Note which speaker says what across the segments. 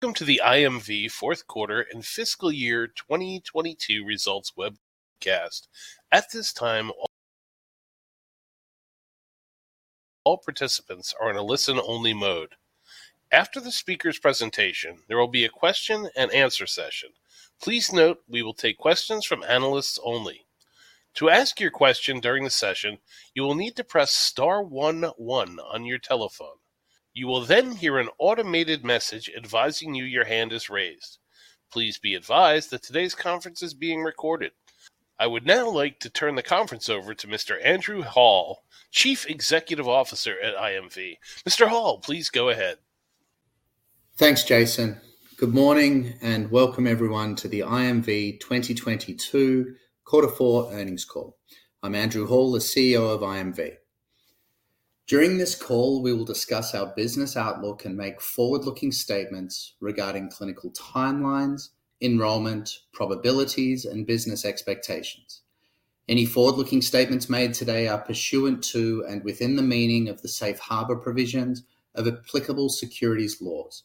Speaker 1: Welcome to the IMV Q4 and fiscal year 2022 results webcast. At this time, all participants are in a listen-only mode. After the speaker's presentation, there will be a Q&A session. Please note we will take questions from analysts only. To ask your question during the session, you will need to press star one one on your telephone. You will then hear an automated message advising you your hand is raised. Please be advised that today's conference is being recorded. I would now like to turn the conference over to Mr. Andrew Hall, Chief Executive Officer at IMV. Mr. Hall, please go ahead.
Speaker 2: Thanks, Jason. Good morning and welcome everyone to the IMV 2022 Q4 Earnings Call. I'm Andrew Hall, the CEO of IMV. During this call, we will discuss our business outlook and make forward-looking statements regarding clinical timelines, enrollment, probabilities, and business expectations. Any forward-looking statements made today are pursuant to and within the meaning of the safe harbor provisions of applicable securities laws.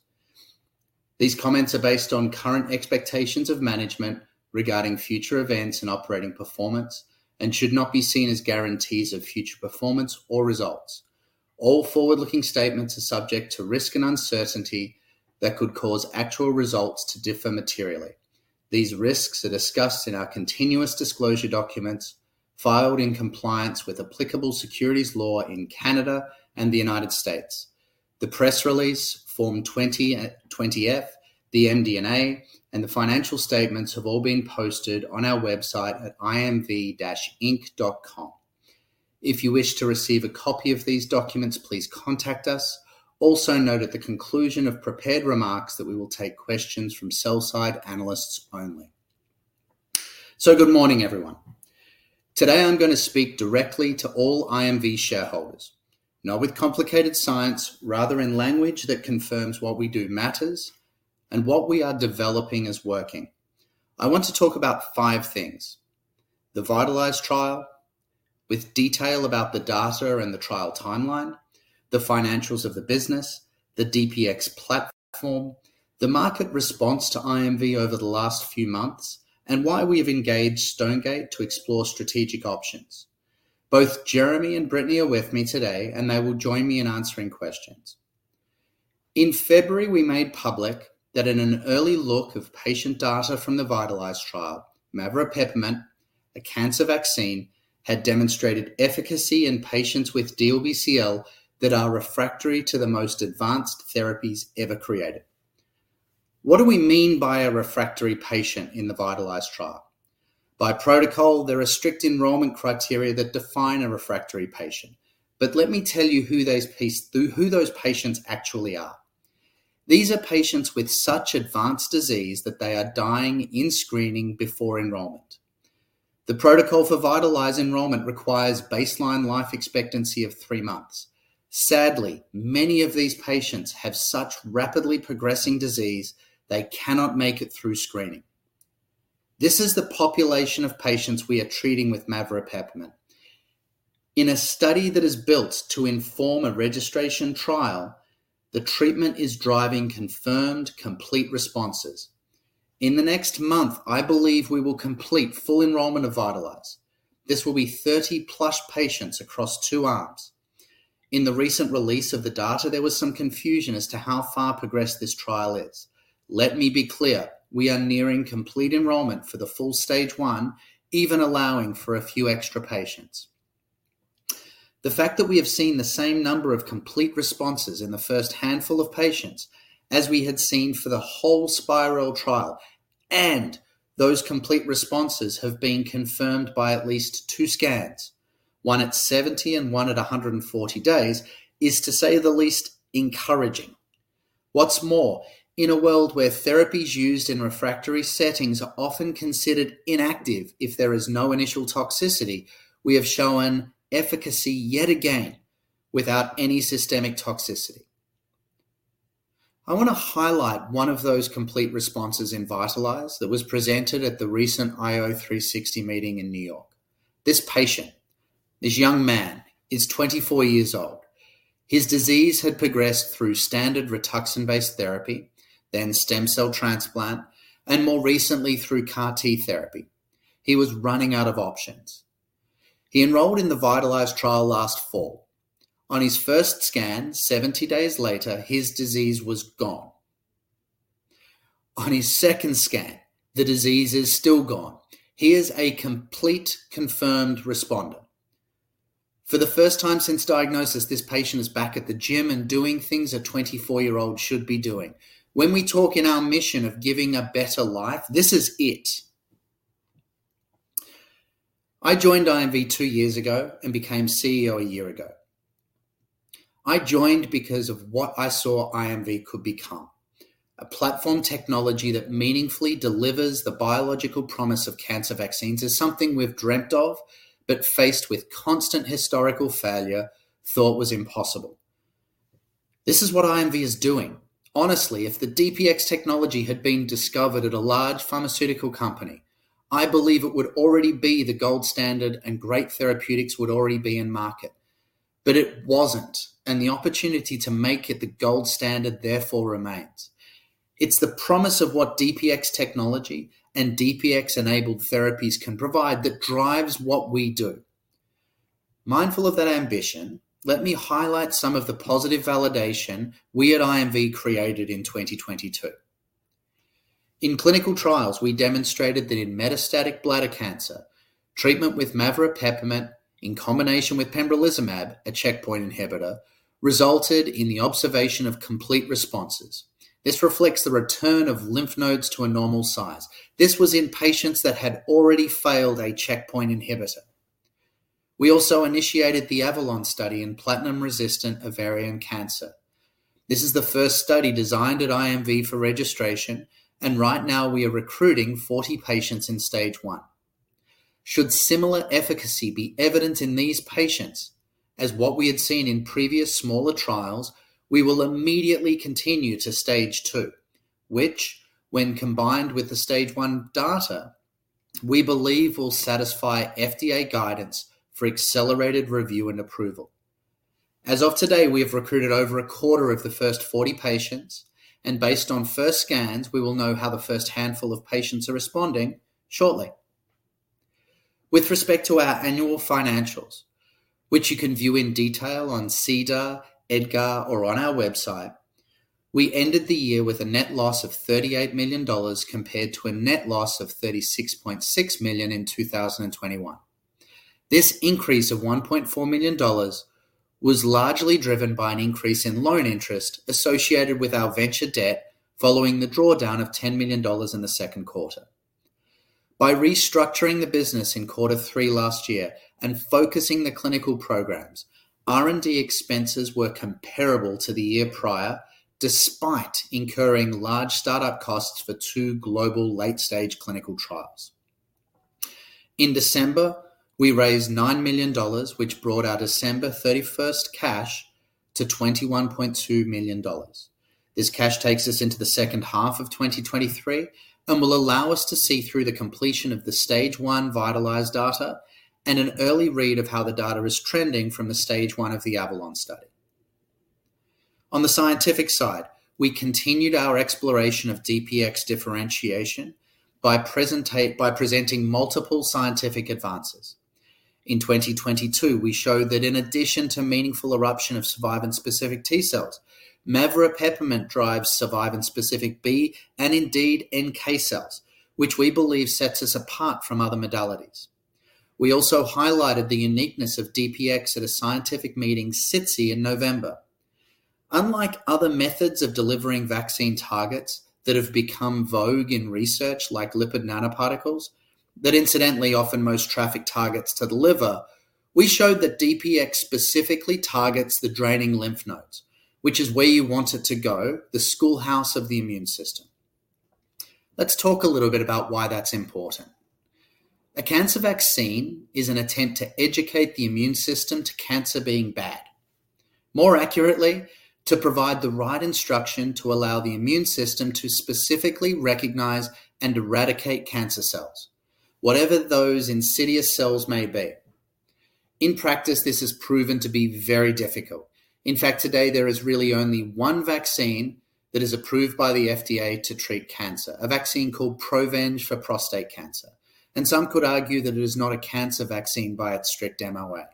Speaker 2: These comments are based on current expectations of management regarding future events and operating performance and should not be seen as guarantees of future performance or results. All forward-looking statements are subject to risk and uncertainty that could cause actual results to differ materially. These risks are discussed in our continuous disclosure documents filed in compliance with applicable securities law in Canada and the United States. The press release, Form 20-F, the MD&A, and the financial statements have all been posted on our website at imv-inc.com. If you wish to receive a copy of these documents, please contact us. Note at the conclusion of prepared remarks that we will take questions from sell-side analysts only. Good morning, everyone. Today, I'm gonna speak directly to all IMV shareholders. Not with complicated science, rather in language that confirms what we do matters and what we are developing is working. I want to talk about five things. The VITALIZE trial with detail about the data and the trial timeline, the financials of the business, the DPX platform, the market response to IMV over the last few months, and why we have engaged Stonegate to explore strategic options. Both Jeremy and Brittany are with me today, and they will join me in answering questions. In February, we made public that in an early look of patient data from the VITALIZE trial, Maveropepimut-S, a cancer vaccine, had demonstrated efficacy in patients with DLBCL that are refractory to the most advanced therapies ever created. What do we mean by a refractory patient in the VITALIZE trial? By protocol, there are strict enrollment criteria that define a refractory patient. Let me tell you who those patients actually are. These are patients with such advanced disease that they are dying in screening before enrollment. The protocol for VITALIZE enrollment requires baseline life expectancy of three months. Sadly, many of these patients have such rapidly progressing disease they cannot make it through screening. This is the population of patients we are treating with Maveropepimut-S. In a study that is built to inform a registration trial, the treatment is driving confirmed complete responses. In the next month, I believe we will complete full enrollment of VITALIZE. This will be 30-plus patients across two arms. In the recent release of the data, there was some confusion as to how far progressed this trial is. Let me be clear, we are nearing complete enrollment for the full stage 1, even allowing for a few extra patients. The fact that we have seen the same number of complete responses in the first handful of patients as we had seen for the whole SPiReL trial, and those complete responses have been confirmed by at least two scans, one at 70 and one at 140 days, is to say the least, encouraging. What's more, in a world where therapies used in refractory settings are often considered inactive if there is no initial toxicity, we have shown efficacy yet again without any systemic toxicity. I want to highlight one of those complete responses in VITALIZE that was presented at the recent Immuno-Oncology 360° meeting in New York. This patient, this young man, is 24 years old. His disease had progressed through standard Rituxan-based therapy, then stem cell transplant, and more recently through CAR T therapy. He was running out of options. He enrolled in the VITALIZE trial last fall. On his first scan, 70 days later, his disease was gone. On his second scan, the disease is still gone. He is a complete confirmed responder. For the first time since diagnosis, this patient is back at the gym and doing things a 24-year-old should be doing. When we talk in our mission of giving a better life, this is it. I joined IMV two years ago and became CEO a year ago. I joined because of what I saw IMV could become. A platform technology that meaningfully delivers the biological promise of cancer vaccines is something we've dreamt of, but faced with constant historical failure, thought was impossible. This is what IMV is doing. Honestly, if the DPX technology had been discovered at a large pharmaceutical company, I believe it would already be the gold standard and great therapeutics would already be in market. It wasn't, and the opportunity to make it the gold standard therefore remains. It's the promise of what DPX technology and DPX-enabled therapies can provide that drives what we do. Mindful of that ambition, let me highlight some of the positive validation we at IMV created in 2022. In clinical trials, we demonstrated that in metastatic bladder cancer, treatment with Maveropepimut-S in combination with pembrolizumab, a checkpoint inhibitor, resulted in the observation of complete responses. This reflects the return of lymph nodes to a normal size. This was in patients that had already failed a checkpoint inhibitor. We also initiated the Avalon study in platinum-resistant ovarian cancer. This is the first study designed at IMV for registration, and right now we are recruiting 40 patients in stage one. Should similar efficacy be evident in these patients as what we had seen in previous smaller trials, we will immediately continue to stage 2, which when combined with the stage 1 data, we believe will satisfy FDA guidance for accelerated review and approval. As of today, we have recruited over a quarter of the first 40 patients, and based on first scans, we will know how the first handful of patients are responding shortly. With respect to our annual financials, which you can view in detail on SEDAR, EDGAR, or on our website, we ended the year with a net loss of $38 million compared to a net loss of $36.6 million in 2021. This increase of $1.4 million was largely driven by an increase in loan interest associated with our venture debt following the drawdown of $10 million in the Q2. By restructuring the business in quarter three last year and focusing the clinical programs, R&D expenses were comparable to the year prior, despite incurring large startup costs for two global late-stage clinical trials. In December, we raised $9 million, which brought our December 31st cash to $21.2 million. This cash takes us into the second half of 2023 and will allow us to see through the completion of the stage one VITALIZE data and an early read of how the data is trending from the stage one of the OVAL study. On the scientific side, we continued our exploration of DPX differentiation by presenting multiple scientific advances. In 2022, we showed that in addition to meaningful eruption of Survivin specific T cells, Maveropepimut-S drives Survivin specific B and indeed NK cells, which we believe sets us apart from other modalities. We also highlighted the uniqueness of DPX at a scientific meeting, SITC, in November. Unlike other methods of delivering vaccine targets that have become vogue in research, like lipid nanoparticles, that incidentally often most traffic targets to the liver, we showed that DPX specifically targets the draining lymph nodes, which is where you want it to go, the schoolhouse of the immune system. Let's talk a little bit about why that's important. A cancer vaccine is an attempt to educate the immune system to cancer being bad. More accurately, to provide the right instruction to allow the immune system to specifically recognize and eradicate cancer cells, whatever those insidious cells may be. In practice, this has proven to be very difficult. In fact, today, there is really only one vaccine that is approved by the FDA to treat cancer, a vaccine called Provenge for prostate cancer, and some could argue that it is not a cancer vaccine by its strict MOA.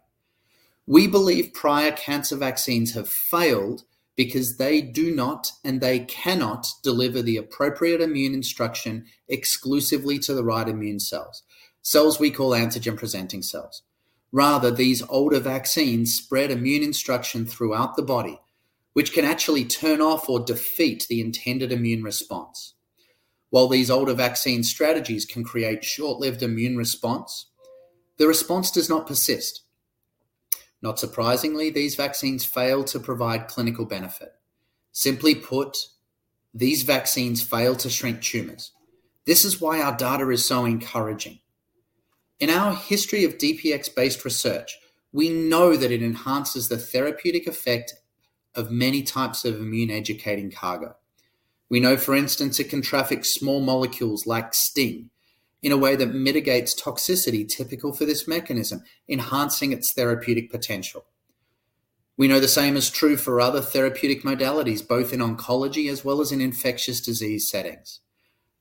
Speaker 2: We believe prior cancer vaccines have failed because they do not, and they cannot deliver the appropriate immune instruction exclusively to the right immune cells we call antigen-presenting cells. Rather, these older vaccines spread immune instruction throughout the body, which can actually turn off or defeat the intended immune response. While these older vaccine strategies can create short-lived immune response, the response does not persist. Not surprisingly, these vaccines fail to provide clinical benefit. Simply put, these vaccines fail to shrink tumors. This is why our data is so encouraging. In our history of DPX-based research, we know that it enhances the therapeutic effect of many types of immune-educating cargo. We know, for instance, it can traffic small molecules like STING in a way that mitigates toxicity typical for this mechanism, enhancing its therapeutic potential. We know the same is true for other therapeutic modalities, both in oncology as well as in infectious disease settings.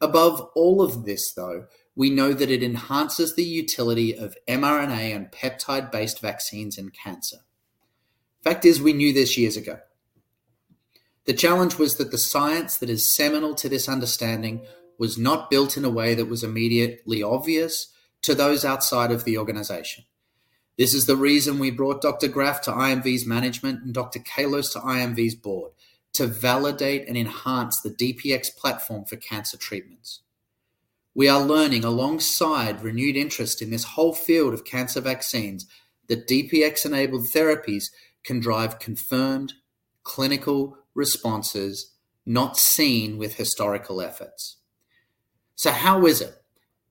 Speaker 2: Above all of this, though, we know that it enhances the utility of mRNA and peptide-based vaccines in cancer. Fact is, we knew this years ago. The challenge was that the science that is seminal to this understanding was not built in a way that was immediately obvious to those outside of the organization. This is the reason we brought Dr. Graff to IMV's management and Dr. Kalos to IMV's board, to validate and enhance the DPX platform for cancer treatments. We are learning alongside renewed interest in this whole field of cancer vaccines that DPX-enabled therapies can drive confirmed clinical responses not seen with historical efforts. How is it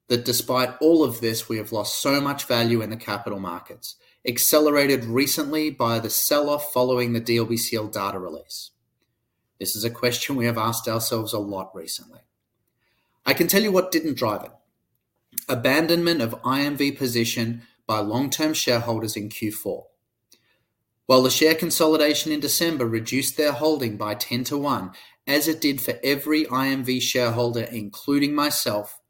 Speaker 2: that despite all of this, we have lost so much value in the capital markets, accelerated recently by the sell-off following the DLBCL data release? This is a question we have asked ourselves a lot recently. I can tell you what didn't drive it. Abandonment of IMV position by long-term shareholders in Q4. While the share consolidation in December reduced their holding by 10 to 1, as it did for every IMV shareholder, including myself,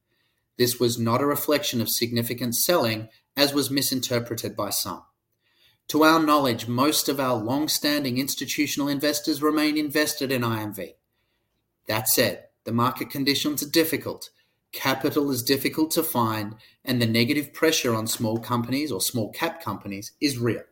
Speaker 2: this was not a reflection of significant selling, as was misinterpreted by some. To our knowledge, most of our long-standing institutional investors remain invested in IMV. That said, the market conditions are difficult. Capital is difficult to find, and the negative pressure on small companies or small cap companies is real.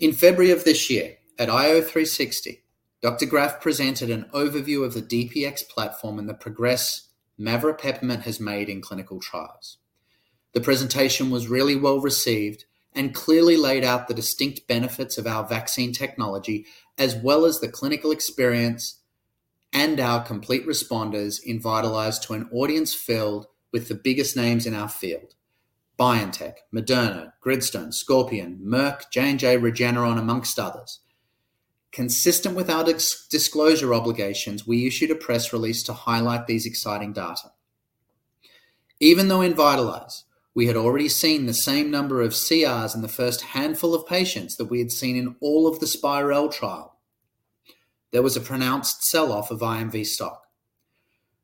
Speaker 2: In February of this year at IO 360, Dr. Graff presented an overview of the DPX platform and the progress Maveropepimut-S has made in clinical trials. The presentation was really well-received and clearly laid out the distinct benefits of our vaccine technology, as well as the clinical experience and our complete responders in VITALIZE to an audience filled with the biggest names in our field. BioNTech, Moderna, Gritstone, Scorpion, Merck, J&J, Regeneron, amongst others. Consistent with our ex-disclosure obligations, we issued a press release to highlight these exciting data. Even though in VITALIZE we had already seen the same number of CRs in the first handful of patients that we had seen in all of the SPiReL trial, there was a pronounced sell-off of IMV stock.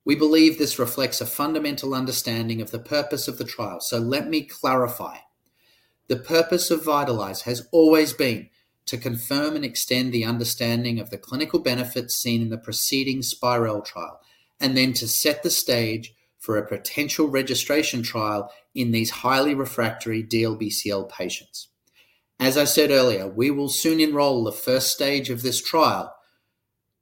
Speaker 2: We believe this reflects a fundamental understanding of the purpose of the trial, so let me clarify. The purpose of VITALIZE has always been to confirm and extend the understanding of the clinical benefits seen in the preceding SPiReL trial, and then to set the stage for a potential registration trial in these highly refractory DLBCL patients. As I said earlier, we will soon enroll the first stage of this trial.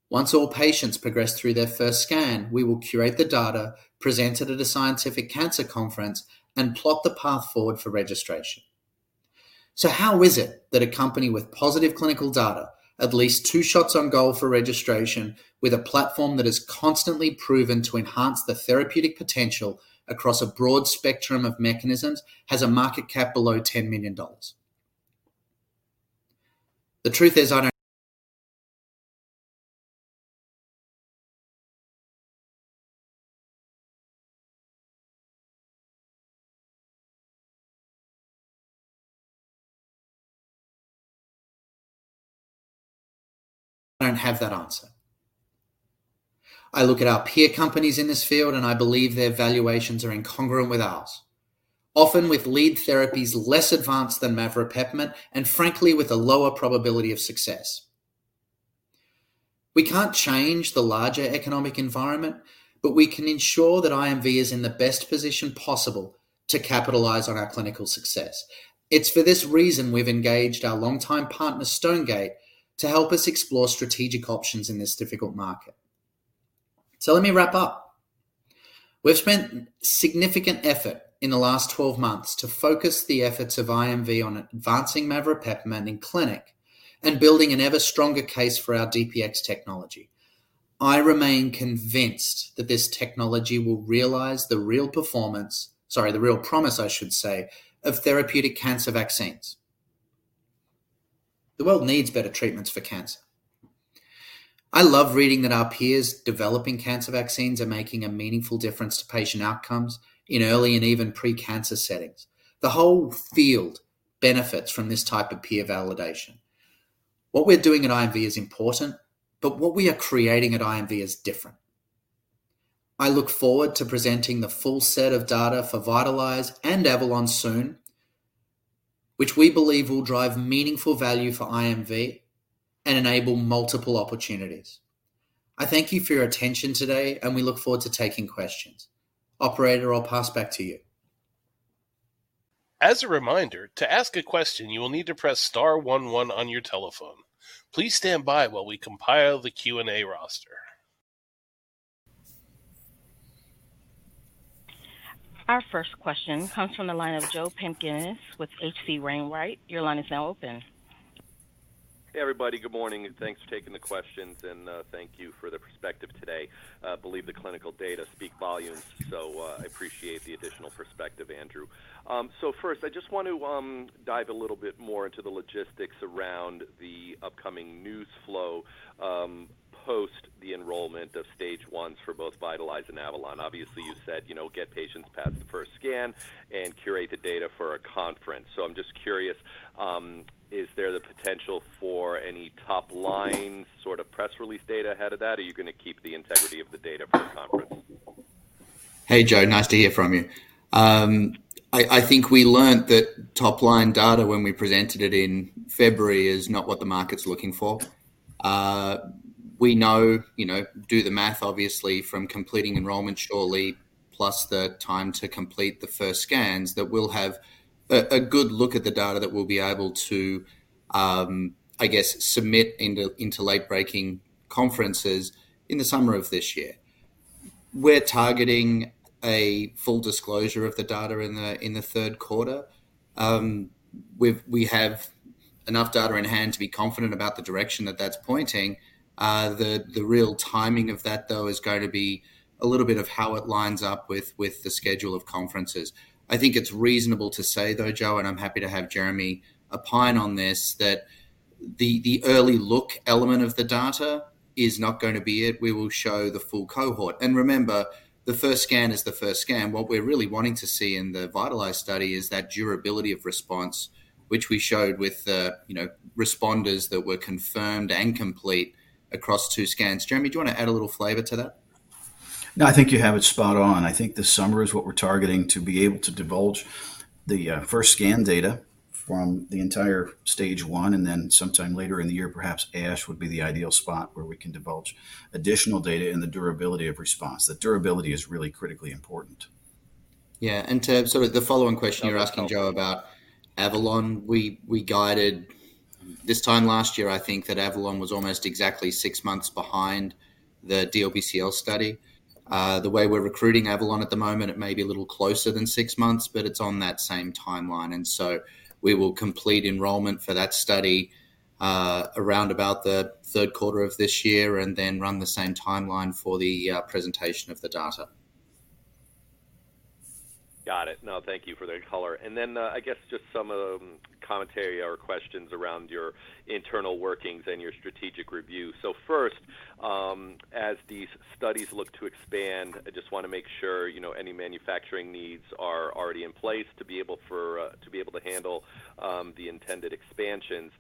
Speaker 2: Once all patients progress through their first scan, we will curate the data, present it at a scientific cancer conference, and plot the path forward for registration. How is it that a company with positive clinical data, at least two shots on goal for registration with a platform that has constantly proven to enhance the therapeutic potential across a broad spectrum of mechanisms, has a market cap below $10 million? The truth is, I don't have that answer. I look at our peer companies in this field, I believe their valuations are incongruent with ours, often with lead therapies less advanced than Maveropepimut-S and frankly, with a lower probability of success. We can't change the larger economic environment, we can ensure that IMV is in the best position possible to capitalize on our clinical success. It's for this reason we've engaged our longtime partner, Stonegate, to help us explore strategic options in this difficult market. Let me wrap up. We've spent significant effort in the last 12 months to focus the efforts of IMV on advancing Maveropepimut-S in clinic and building an ever-stronger case for our DPX technology. I remain convinced that this technology will realize the real performance, sorry, the real promise, I should say, of therapeutic cancer vaccines. The world needs better treatments for cancer. I love reading that our peers developing cancer vaccines are making a meaningful difference to patient outcomes in early and even pre-cancer settings. The whole field benefits from this type of peer validation. What we're doing at IMV is important, what we are creating at IMV is different. I look forward to presenting the full set of data for VITALIZE and OVAL soon, which we believe will drive meaningful value for IMV and enable multiple opportunities. I thank you for your attention today, we look forward to taking questions. Operator, I'll pass back to you.
Speaker 1: As a reminder, to ask a question, you will need to press star one one on your telephone. Please stand by while we compile the Q&A roster. Our first question comes from the line of Joseph Pantginis with H.C. Wainwright. Your line is now open.
Speaker 3: Hey, everybody. Good morning, thanks for taking the questions, thank you for the perspective today. Believe the clinical data speak volumes, I appreciate the additional perspective, Andrew. First I just want to dive a little bit more into the logistics around the upcoming news flow, post the enrollment of Stage 1s for both VITALIZE and OVAL. Obviously, you said, you know, get patients past the first scan and curate the data for a conference. I'm just curious, is there the potential for any top-line sort of press release data ahead of that, or are you gonna keep the integrity of the data for the conference?
Speaker 2: Hey, Joe. Nice to hear from you. I think we learned that top-line data when we presented it in February is not what the market's looking for. We know, you know, do the math obviously from completing enrollment surely plus the time to complete the first scans, that we'll have a good look at the data that we'll be able to, I guess, submit into late-breaking conferences in the summer of this year. We're targeting a full disclosure of the data in the Q3. We've, we have enough data in-hand to be confident about the direction that that's pointing. The real timing of that, though, is going to be a little bit of how it lines up with the schedule of conferences. I think it's reasonable to say though, Joe, and I'm happy to have Jeremy opine on this, that the early look element of the data is not gonna be it. We will show the full cohort. Remember, the first scan is the first scan. What we're really wanting to see in the VITALIZE study is that durability of response, which we showed with the, you know, responders that were confirmed and complete across two scans. Jeremy, do you wanna add a little flavor to that?
Speaker 4: I think you have it spot on. I think this summer is what we're targeting to be able to divulge the first scan data from the entire stage one, and then sometime later in the year, perhaps ASH would be the ideal spot where we can divulge additional data in the durability of response. The durability is really critically important.
Speaker 2: Yeah. To sort of the follow-on question you're asking, Joe, about OVAL, we guided this time last year, I think that OVAL was almost exactly six months behind the DLBCL study. The way we're recruiting OVAL at the moment, it may be a little closer than 6 months, but it's on that same timeline. We will complete enrollment for that study around about the Q3 of this year, and then run the same timeline for the presentation of the data.
Speaker 3: Got it. No, thank you for the color. I guess just some commentary or questions around your internal workings and your strategic review. First, as these studies look to expand, I just wanna make sure, you know, any manufacturing needs are already in place to be able to handle the intended expansions.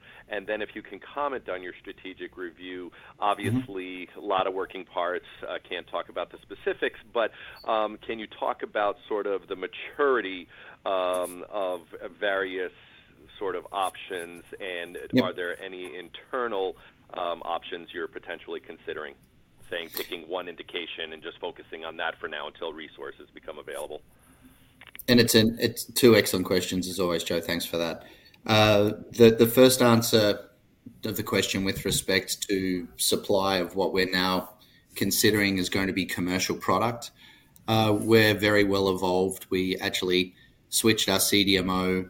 Speaker 3: If you can comment on your strategic review.
Speaker 2: Mm-hmm.
Speaker 3: Obviously, a lot of working parts, can't talk about the specifics, but, can you talk about sort of the maturity, of various sort of options?
Speaker 2: Yeah
Speaker 3: And are there any internal options you're potentially considering? Say, taking one indication and just focusing on that for now until resources become available.
Speaker 2: It's two excellent questions as always, Joe. Thanks for that. The first answer of the question with respect to supply of what we're now considering is gonna be commercial product, we're very well evolved. We actually switched our CDMO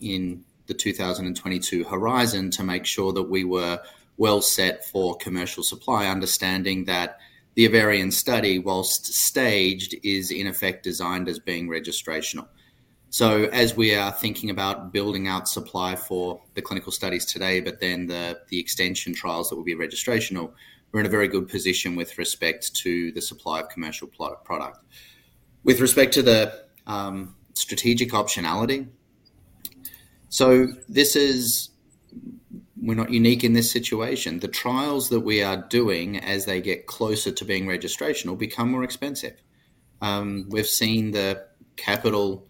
Speaker 2: in the 2022 horizon to make sure that we were well set for commercial supply, understanding that the Avalon study, whilst staged, is in effect designed as being registrational. As we are thinking about building out supply for the clinical studies today, but then the extension trials that will be registrational, we're in a very good position with respect to the supply of commercial product. With respect to the strategic optionality, so this is. We're not unique in this situation. The trials that we are doing as they get closer to being registrational become more expensive. We've seen the capital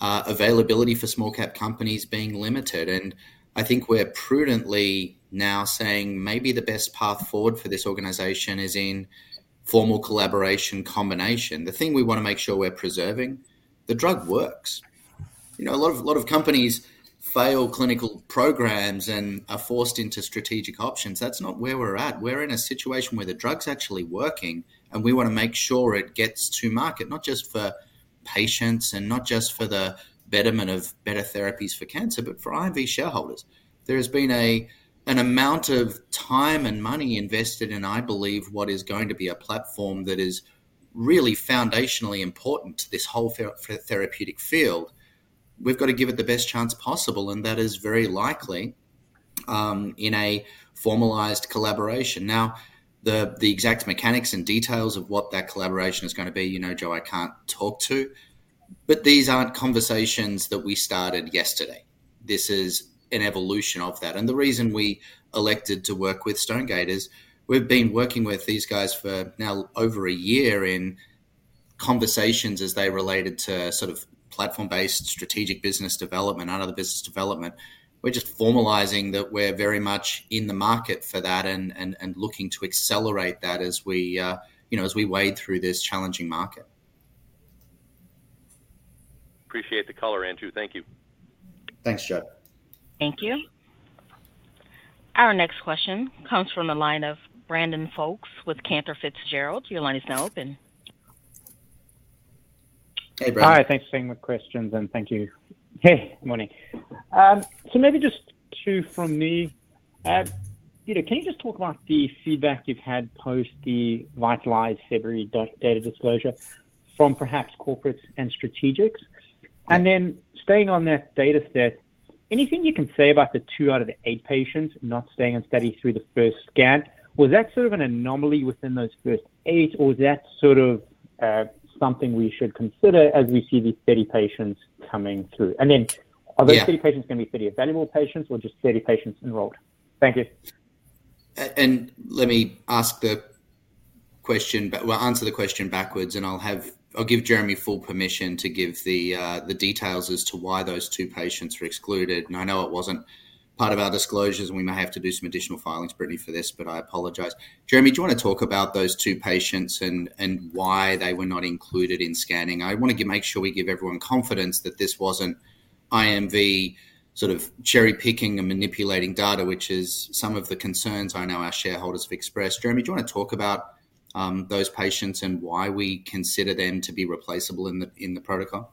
Speaker 2: availability for small-cap companies being limited, and I think we're prudently now saying maybe the best path forward for this organization is in formal collaboration combination. The thing we wanna make sure we're preserving, the drug works. You know, a lot of companies fail clinical programs and are forced into strategic options. That's not where we're at. We're in a situation where the drug's actually working, and we wanna make sure it gets to market, not just for patients and not just for the betterment of better therapies for cancer, but for IMV shareholders. There has been an amount of time and money invested, and I believe what is going to be a platform that is really foundationally important to this whole therapeutic field. We've got to give it the best chance possible, and that is very likely in a formalized collaboration. Now, the exact mechanics and details of what that collaboration is gonna be, you know, Joe, I can't talk to, but these aren't conversations that we started yesterday. This is an evolution of that. The reason we elected to work with Stonegate is we've been working with these guys for now over a year in conversations as they related to sort of platform-based strategic business development out of the business development. We're just formalizing that we're very much in the market for that and, and looking to accelerate that as we, you know, as we wade through this challenging market.
Speaker 3: Appreciate the color, Andrew. Thank you.
Speaker 2: Thanks, Joe.
Speaker 1: Thank you. Our next question comes from the line of Brandon Folkes with Cantor Fitzgerald. Your line is now open.
Speaker 2: Hey, Brandon.
Speaker 5: Hi. Thanks for taking my questions. Thank you. Hey, good morning. So maybe just 2 from me. Peter, can you just talk about the feedback you've had post the VITALIZE February data disclosure from perhaps corporates and strategics? Staying on that data set, anything you can say about the two out of the eight patients not staying in study through the first scan? Was that sort of an anomaly within those first eight, or is that sort of something we should consider as we see these 30 patients coming through?
Speaker 2: Yeah.
Speaker 5: Are those 30 patients gonna be 30 evaluable patients or just 30 patients enrolled? Thank you.
Speaker 2: Let me ask the question. Well, answer the question backwards, and I'll give Jeremy full permission to give the details as to why those two patients were excluded. I know it wasn't part of our disclosures, and we may have to do some additional filings, Brittany, for this, but I apologize. Jeremy, do you wanna talk about those two patients and why they were not included in scanning? Make sure we give everyone confidence that this wasn't IMV sort of cherry-picking and manipulating data, which is some of the concerns I know our shareholders have expressed. Jeremy, do you wanna talk about those patients and why we consider them to be replaceable in the protocol?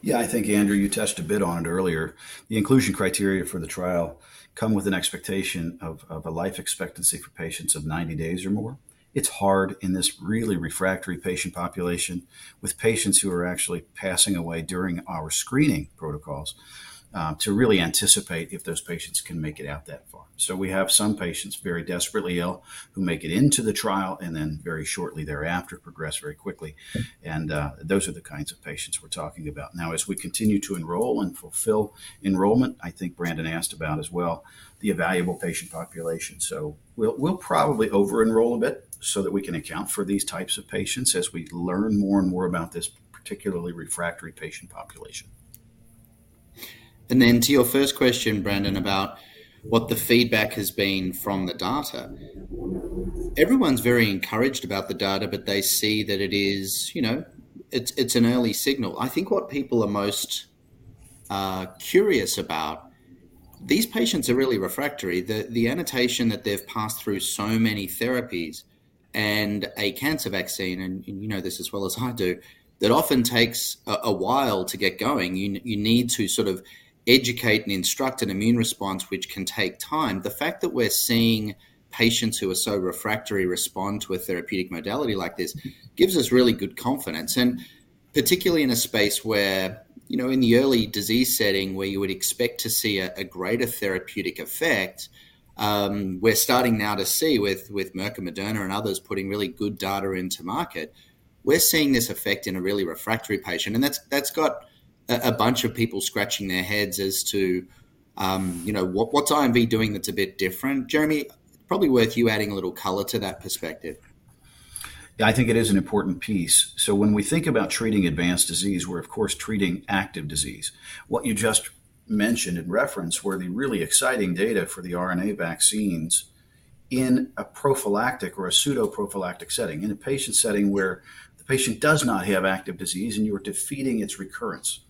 Speaker 4: Yeah, I think, Andrew, you touched a bit on it earlier. The inclusion criteria for the trial come with an expectation of a life expectancy for patients of 90 days or more. It's hard in this really refractory patient population with patients who are actually passing away during our screening protocols, to really anticipate if those patients can make it out that far. We have some patients very desperately ill who make it into the trial and then very shortly thereafter progress very quickly. Those are the kinds of patients we're talking about. Now, as we continue to enroll and fulfill enrollment, I think Brandon asked about as well the evaluable patient population. We'll probably over-enroll a bit so that we can account for these types of patients as we learn more and more about this particularly refractory patient population.
Speaker 2: To your first question, Brandon, about what the feedback has been from the data. Everyone's very encouraged about the data, but they see that it is, you know, it's an early signal. I think what people are most curious about, these patients are really refractory. The annotation that they've passed through so many therapies and a cancer vaccine, and you know this as well as I do, that often takes a while to get going. You need to sort of educate and instruct an immune response which can take time. The fact that we're seeing patients who are so refractory respond to a therapeutic modality like this gives us really good confidence. Particularly in a space where, you know, in the early disease setting where you would expect to see a greater therapeutic effect, we're starting now to see with Merck and Moderna and others putting really good data into market. We're seeing this effect in a really refractory patient. That's got a bunch of people scratching their heads as to, you know, what's IMV doing that's a bit different? Jeremy, probably worth you adding a little color to that perspective.
Speaker 4: Yeah, I think it is an important piece. When we think about treating advanced disease, we're of course treating active disease. What you just mentioned in reference were the really exciting data for the mRNA vaccines in a prophylactic or a pseudo-prophylactic setting, in a patient setting where the patient does not have active disease, and you are defeating its recurrence.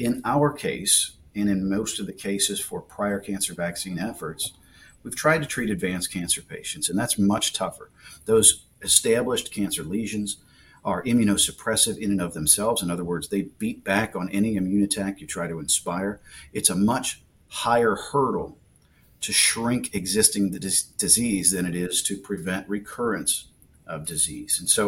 Speaker 4: In our case, and in most of the cases for prior cancer vaccine efforts, we've tried to treat advanced cancer patients, and that's much tougher. Those established cancer lesions are immunosuppressive in and of themselves. In other words, they beat back on any immune attack you try to inspire. It's a much higher hurdle to shrink existing disease than it is to prevent recurrence of disease.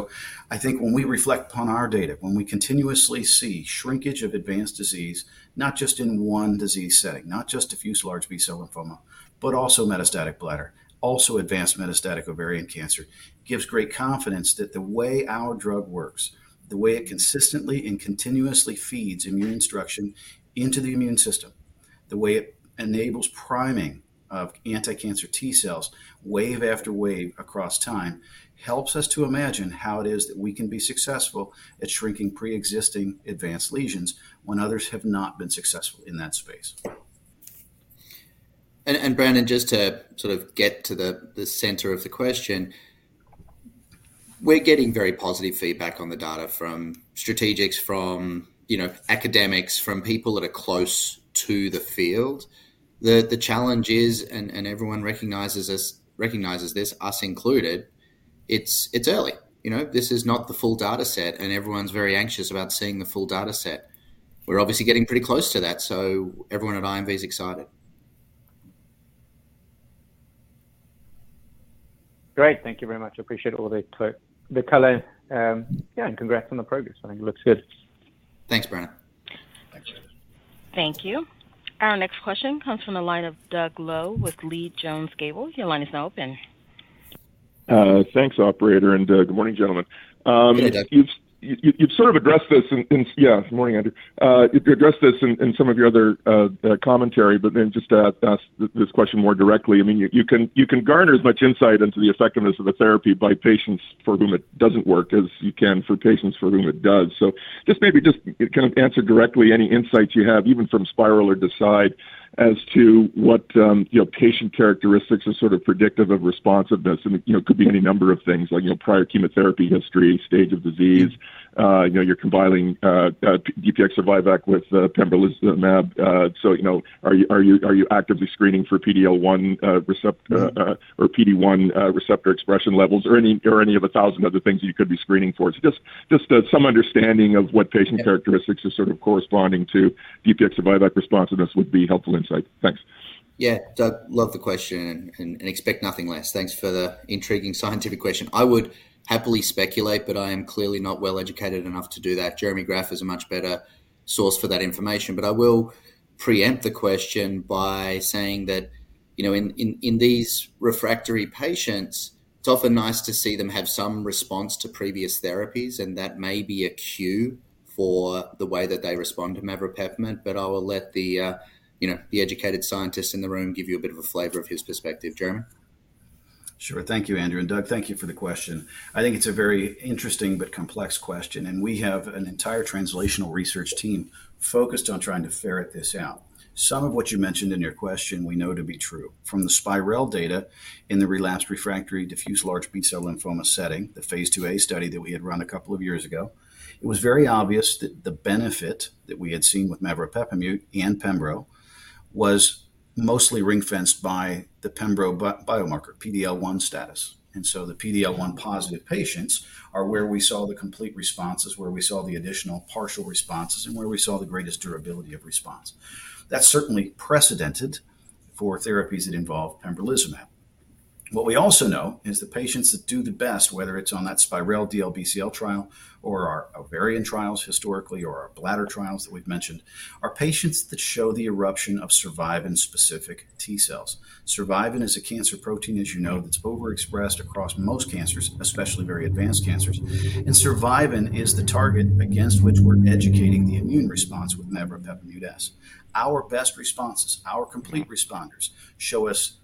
Speaker 4: I think when we reflect upon our data, when we continuously see shrinkage of advanced disease, not just in one disease setting, not just diffuse large B-cell lymphoma, but also metastatic bladder, also advanced metastatic ovarian cancer, gives great confidence that the way our drug works, the way it consistently and continuously feeds immune instruction into the immune system, the way it enables priming of anticancer T cells wave after wave across time, helps us to imagine how it is that we can be successful at shrinking preexisting advanced lesions when others have not been successful in that space.
Speaker 2: Brandon, just to sort of get to the center of the question, we're getting very positive feedback on the data from strategics, from, you know, academics, from people that are close to the field. The challenge is, everyone recognizes this, us included, it's early. You know, this is not the full data set, and everyone's very anxious about seeing the full data set. We're obviously getting pretty close to that, so everyone at IMV is excited.
Speaker 5: Great. Thank you very much. Appreciate all the color. Yeah, congrats on the progress. I think it looks good.
Speaker 2: Thanks, Brandon.
Speaker 4: Thanks.
Speaker 1: Thank you. Our next question comes from the line of Douglas Loe with Leede Jones Gable. Your line is now open.
Speaker 6: Thanks, operator, and, good morning, gentlemen.
Speaker 2: Hey, Doug.
Speaker 6: You've sort of addressed this in, Yeah, good morning, Andrew. You've addressed this in some of your other commentary. Just to ask this question more directly. I mean, you can garner as much insight into the effectiveness of a therapy by patients for whom it doesn't work as you can for patients for whom it does. Just maybe just kind of answer directly any insights you have, even from SPiReL or DeCidE1, as to what, you know, patient characteristics are sort of predictive of responsiveness. You know, it could be any number of things like, you know, prior chemotherapy history, stage of disease. You're combining DPX-Survivac with Pembrolizumab. You know, are you actively screening for PD-L1 or PD-1 receptor expression levels or any of 1,000 other things you could be screening for? Just some understanding of what patient characteristics are sort of corresponding to DPX-Survivac responsiveness would be helpful insight. Thanks.
Speaker 2: Yeah. Doug, love the question and expect nothing less. Thanks for the intriguing scientific question. I would happily speculate, but I am clearly not well educated enough to do that. Jeremy Graff is a much better source for that information. I will preempt the question by saying that, you know, in these refractory patients, it's often nice to see them have some response to previous therapies, and that may be a cue for the way that they respond to Maveropepimut-S. I will let the, you know, the educated scientist in the room give you a bit of a flavor of his perspective. Jeremy.
Speaker 4: Sure. Thank you, Andrew. Doug, thank you for the question. I think it's a very interesting but complex question. We have an entire translational research team focused on trying to ferret this out. Some of what you mentioned in your question we know to be true. From the SPiReL data in the relapsed refractory diffuse large B-cell lymphoma setting, the Phase II-a study that we had run a couple of years ago, it was very obvious that the benefit that we had seen with Maveropepimut-S and pembro was mostly ring-fenced by the pembro biomarker, PD-L1 status. The PD-L1 positive patients are where we saw the complete responses, where we saw the additional partial responses, and where we saw the greatest durability of response. That's certainly precedented for therapies that involve Pembrolizumab. What we also know is the patients that do the best, whether it's on that SPiReL DLBCL trial or our ovarian trials historically or our bladder trials that we've mentioned, are patients that show the eruption of survivin specific T cells. Survivin is a cancer protein, as you know, that's overexpressed across most cancers, especially very advanced cancers. Survivin is the target against which we're educating the immune response with Maveropepimut-S. Our best responses, our complete responders, show us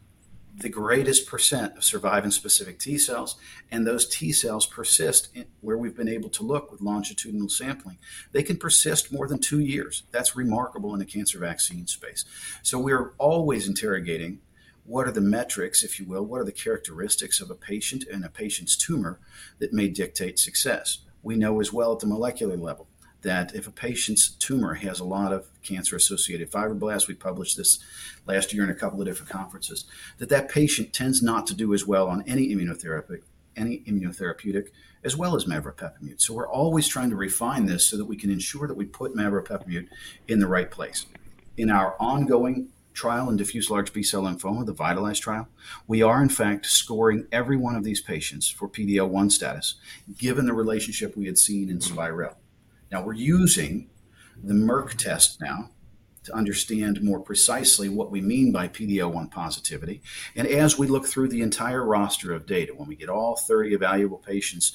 Speaker 4: the greatest percent of survivin specific T cells, and those T cells persist in where we've been able to look with longitudinal sampling. They can persist more than two years. That's remarkable in the cancer vaccine space. We're always interrogating what are the metrics, if you will, what are the characteristics of a patient and a patient's tumor that may dictate success. We know as well at the molecular level that if a patient's tumor has a lot of cancer-associated fibroblasts, we published this last year in a couple of different conferences, that that patient tends not to do as well on any immunotherapy, any immunotherapeutic, as well as Maveropepimut-S. We're always trying to refine this so that we can ensure that we put Maveropepimut-S in the right place. In our ongoing trial in diffuse large B-cell lymphoma, the VITALIZE trial, we are in fact scoring every one of these patients for PD-L1 status, given the relationship we had seen in SPiReL. Now, we're using the Merck test now to understand more precisely what we mean by PD-L1 positivity. As we look through the entire roster of data, when we get all 30 evaluable patients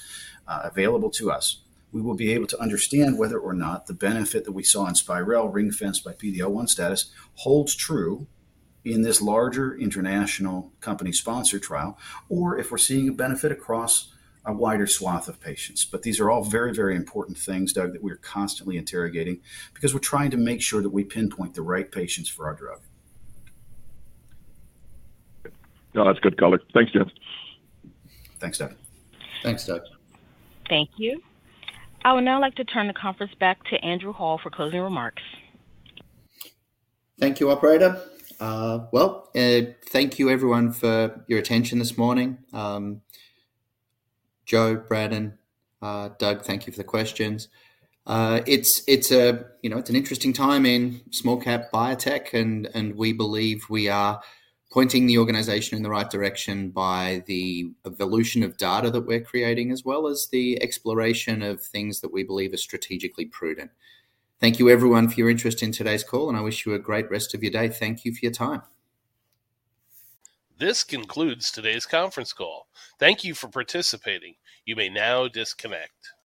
Speaker 4: available to us, we will be able to understand whether or not the benefit that we saw in SPiReL ring-fenced by PD-L1 status holds true in this larger international company sponsor trial, or if we're seeing a benefit across a wider swath of patients. These are all very, very important things, Doug, that we're constantly interrogating because we're trying to make sure that we pinpoint the right patients for our drug.
Speaker 6: No, that's good, Colin. Thank you.
Speaker 4: Thanks, Doug.
Speaker 2: Thanks, Doug.
Speaker 1: Thank you. I would now like to turn the conference back to Andrew Hall for closing remarks.
Speaker 2: Thank you, operator. Well, thank you everyone for your attention this morning. Joe, Brad, and Doug, thank you for the questions. It's, it's a, you know, it's an interesting time in small cap biotech and we believe we are pointing the organization in the right direction by the evolution of data that we're creating as well as the exploration of things that we believe are strategically prudent. Thank you everyone for your interest in today's call, and I wish you a great rest of your day. Thank you for your time.
Speaker 1: This concludes today's conference call. Thank you for participating. You may now disconnect.